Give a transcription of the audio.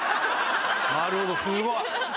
なるほどすごい！